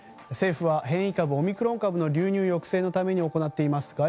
政府は変異株オミクロン株流入抑制のために行っています